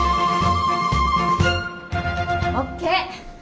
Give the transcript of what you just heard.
ＯＫ。